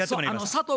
佐藤